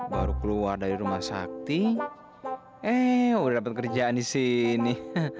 baru keluar dari rumah sakti eh udah dapat kerjaan di sini